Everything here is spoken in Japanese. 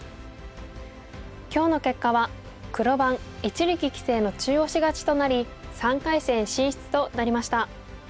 今日の結果は黒番一力棋聖の中押し勝ちとなり３回戦進出となりました。